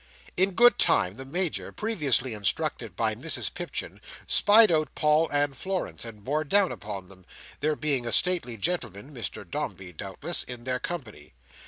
In good time the Major, previously instructed by Mrs Pipchin, spied out Paul and Florence, and bore down upon them; there being a stately gentleman (Mr Dombey, doubtless) in their company.